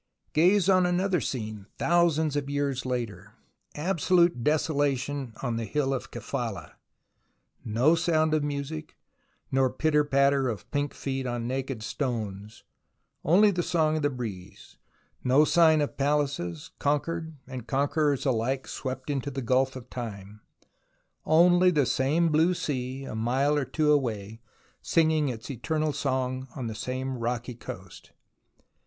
Gaze on another scene thousands of years later. Absolute desolation on the hill of Kephala. No sound of music nor pitter patter of pink feet on 188 THE ROMANCE OF EXCAVATION naked stones, only the song of the breeze ; no sign of palaces, conquered and conquerors alike swept into the gulf of Time ; only the same blue sea a mile or two away singing its eternal song on the same rocky coast.